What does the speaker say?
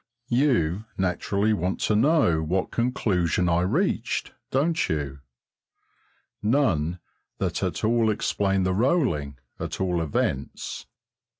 You naturally want to know what conclusion I reached, don't you? None that at all explained the rolling, at all events.